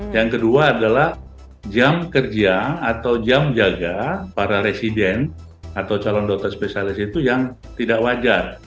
yang kedua adalah jam kerja atau jam jaga para residen atau calon dokter spesialis itu yang tidak wajar